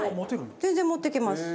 全然持っていけます。